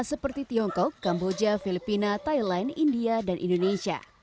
seperti tiongkok kamboja filipina thailand india dan indonesia